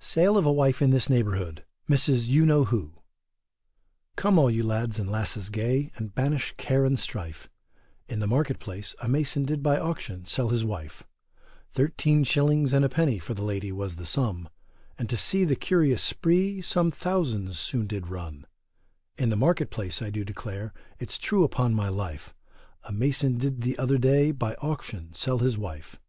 SALE OF A WIFE IN THIS NEIGHBOURHOOD MRS. YOU KNOW WHO. Come all you lads and lasses gay, and banish care and strife, In the market place, a mason did by auction sell his wife; Thirteen shillings and a penny for the lady was the sum, And to see the curious spree, some thousands soon did run; In the market place, I do declare, it's true upon my life, A mason did the other day, by auction sell his wife.